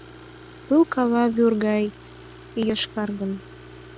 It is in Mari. пыл-кава вӱр гай йошкарген...